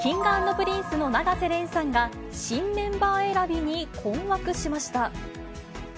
Ｋｉｎｇ＆Ｐｒｉｎｃｅの永瀬廉さんが、新メンバー選びに困惑しました。